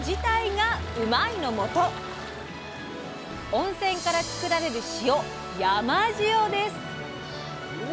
温泉からつくられる塩「山塩」です。